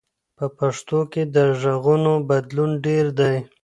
په پښتو کي د ږغونو بدلون ډېر دی.